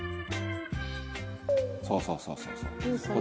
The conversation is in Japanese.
そうそうそうそうそう。